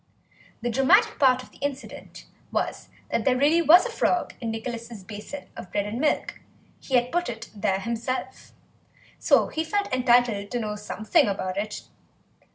The dramatic part of the incident was that there really was a frog in Nicholas' basin of bread and milk; he had put it there himself, so he felt entitled to know something about it.